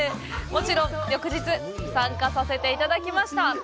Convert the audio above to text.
もちろん、翌日、参加させていただきました！